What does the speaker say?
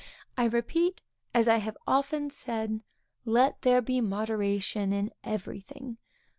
I repeat, as I have often said, let there be moderation in everything.